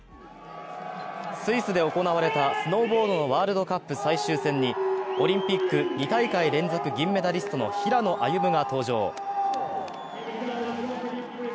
スイスで行われたスノーボードのワールドカップ最終戦に、オリンピック２大会連続銀メダリストの平野歩夢が登場。